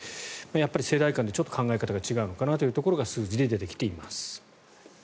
世代間でちょっと考え方が違うのかなというところが数字で出てきています。